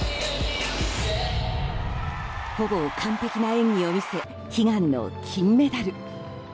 ほぼ完ぺきな演技を見せ悲願の金メダル。